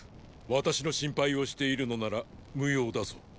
私の心配をしているのなら無用だぞ。